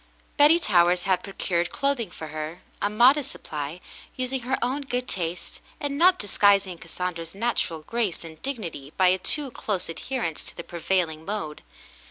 Betty Towers had procured clothing for her — a modest supply — using her own good taste, and not disguising Cas sandra's natural grace and dignity by a too close adherence to the prevailing mode.